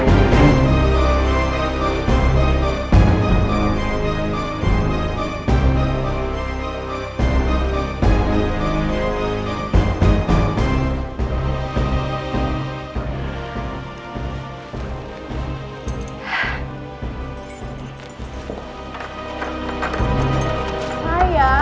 ayo ini keluar ya